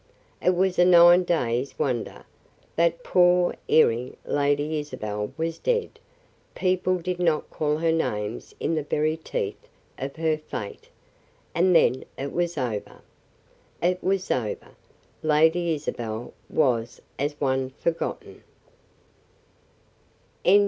It was a nine day's wonder: "That poor, erring Lady Isabel was dead" people did not call her names in the very teeth of her fate and then it was over. It was over. Lady Isabel was as one forgotten.